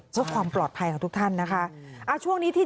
เพื่อความปลอดภัยของทุกท่านนะคะ